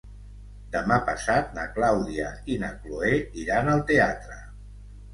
Demà passat na Clàudia i na Cloè iran al teatre.